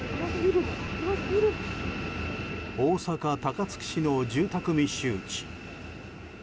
大阪・高槻市の住宅密集地。